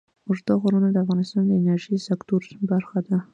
اوږده غرونه د افغانستان د انرژۍ سکتور برخه ده.